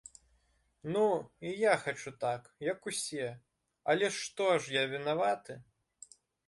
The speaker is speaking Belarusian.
Ну, і я хачу так, як усе, але што ж я вінаваты?